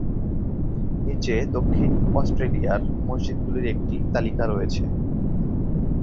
নীচে দক্ষিণ অস্ট্রেলিয়ার মসজিদগুলির একটি তালিকা রয়েছে।